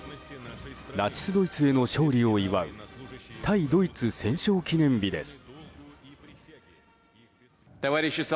ナチスドイツへの勝利を祝う対ドイツ戦勝記念日です。